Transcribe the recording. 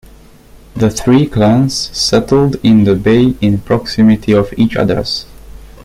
The three clans settled in the bay in proximity of each others.